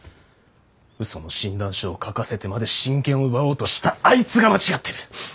うその診断書を書かせてまで親権を奪おうとしたあいつが間違ってる！